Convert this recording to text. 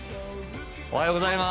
おはようございます。